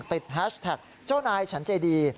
แฮชแท็กเจ้านายฉันเจดี